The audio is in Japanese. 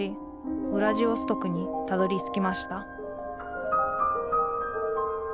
ウラジオストクにたどりつきました